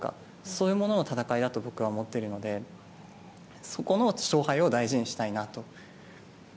そういうものの闘いだと僕は思っているのでそこの勝敗を大事にしたいなと。